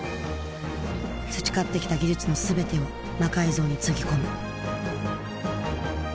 培ってきた技術の全てを魔改造につぎ込む。